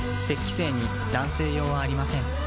精に男性用はありません